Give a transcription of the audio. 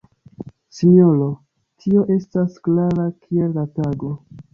Sinjoro, tio estas klara kiel la tago!